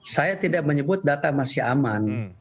saya tidak menyebut data masih aman